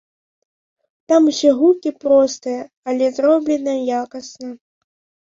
Там усе гукі простыя, але зроблена якасна.